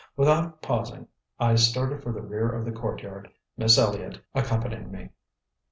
Without pausing, I started for the rear of the courtyard, Miss Elliott accompanying me.